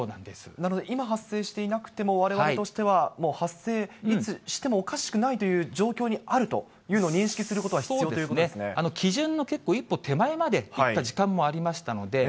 なので、今、発生していなくても、われわれとしてはもう発生、いつしてもおかしくないというような状況にあるというのを認識すそうですね、基準の結構、一歩手前までいった時間もありましたので。